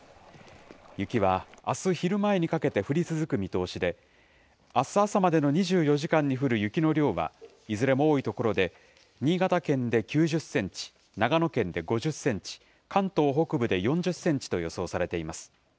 雪はあす昼前にかけて降り続く見通しで、あす朝までの２４時間に降る雪の量は、いずれも多い所で、新潟県で９０センチ、長野県で５０センチ、関東北部で４０センチと予想されています。